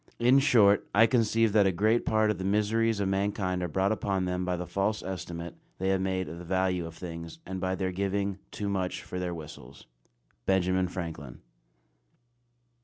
In short, I conceive that a great part of the miseries of mankind are brought upon them by the false estimate they have made of the value of things, and by their giving "too much for their whistles." BENJAMIN FRANKLIN.